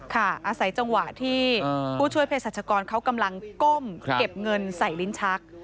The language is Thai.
อาศัยจังหวะที่ผู้ช่วยเพศรัชกรเขากำลังก้มเก็บเงินใส่ลิ้นชัก